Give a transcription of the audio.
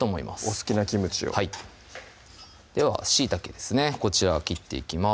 お好きなキムチをはいではしいたけですねこちらを切っていきます